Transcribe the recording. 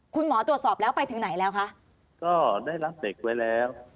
คุณหมอตรวจสอบแล้วไปถึงไหนแล้วคะก็ได้รับเด็กไว้แล้ว